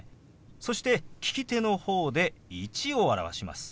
そして利き手の方で「１」を表します。